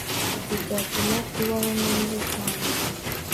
Ibyo byatuma kubaho neza cyane